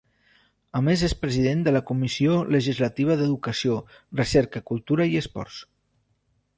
A més és President de la Comissió Legislativa d’Educació, Recerca, Cultura i Esports.